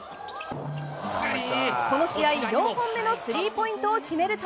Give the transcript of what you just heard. この試合４本目のスリーポイントを決めると。